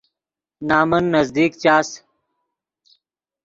نمن نزدیک چاس